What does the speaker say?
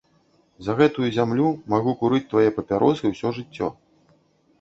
За гэтую зямлю магу курыць твае папяросы ўсё жыццё.